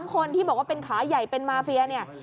คนที่บอกว่าเป็นขาใหญ่เป็นมาเฟียเนี่ย